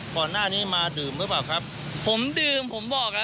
คนหน้านี้มาดื่มหรือกับครับ